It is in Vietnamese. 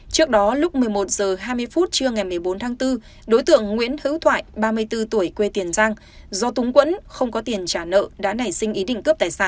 trước đó lúc một mươi một h hai mươi phút trưa ngày một mươi bốn tháng bốn đối tượng nguyễn hữu thoại ba mươi bốn tuổi quê tiền giang do túng quẫn không có tiền trả nợ đã nảy sinh ý định cướp tài sản